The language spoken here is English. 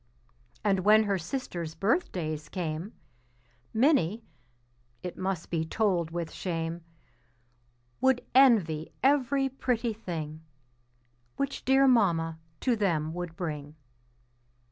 And when her sisters' birthdays came Minnie (it must be told with shame) Would envy every pretty thing Which dear Mamma to them would bring.